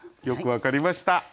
よく分かりました。